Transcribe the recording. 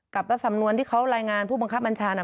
กับสำนวนที่เขารายงานผู้บังคับบัญชาน่ะ